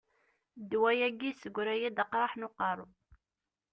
Ddwa-agi yesseggray-d aqraḥ n uqerru.